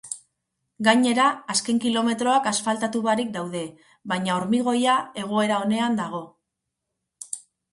Gainera, azken kilometroak asfaltatu barik daude, baina hormigoia egoera onean dago.